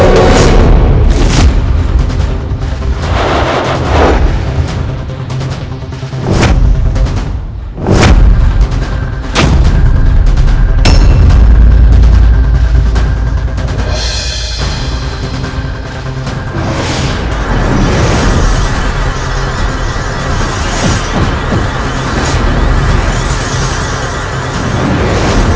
sambil bisa tahan kondis first time